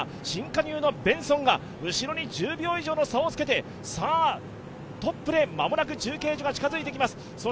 新加入のベンソンが後ろに１０秒以上の差をつけてトップで中継所が近づいてきます。